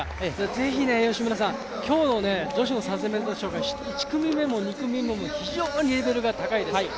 ぜひ吉村さん、今日の女子の３０００ｍ障害１組目も２組目も非常にレベルが高いです。